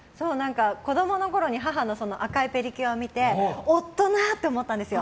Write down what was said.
子供のころには母の赤いペディキュアを見て大人！と思ったんですよ。